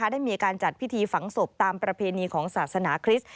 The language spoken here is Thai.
ได้มีการจัดพิธีฝังศพตามประเพณีของศาสนาคริสต์